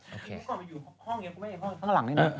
พี่พี่ก่อนมาอยู่ห้องนี้พี่พี่แม่อยู่ห้องข้างหลังนี้